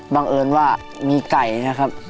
บังเอิญว่ามีไก่นะครับ